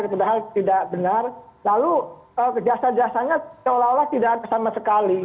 padahal tidak benar lalu jasa jasanya seolah olah tidak ada sama sekali